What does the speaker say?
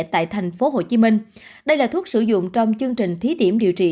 tại thành phố hồ chí minh đây là thuốc sử dụng trong chương trình thí điểm điều trị